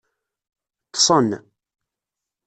Ḍḍsen.